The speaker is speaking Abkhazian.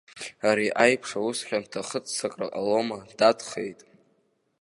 Ари аиԥш аус хьанҭа ахыццакра ҟалома, дадхеит!